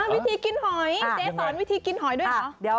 วิธีกินหอยเจ๊สอนวิธีกินหอยด้วยเหรอ